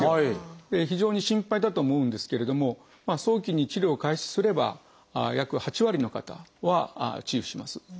非常に心配だと思うんですけれども早期に治療を開始すれば約８割の方は治癒します。